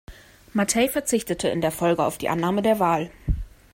Matthey verzichtete in der Folge auf die Annahme der Wahl.